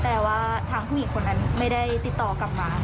แต่ว่าทางผู้หญิงคนนั้นไม่ได้ติดต่อกลับมา